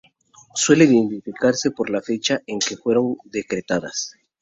Suelen identificarse por la fecha en que fueron decretadas.